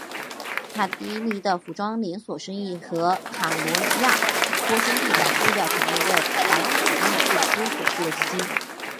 塔迪尼的服装连锁店生意和卡尼亚托兄弟的布料产业为法拉利提供了最初所需的资金。